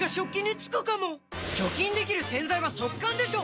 除菌できる洗剤は速乾でしょ！